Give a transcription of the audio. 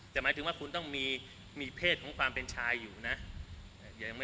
แต่หมายถึงว่าคุณต้องมีเพศของความเป็นชายอยู่นะ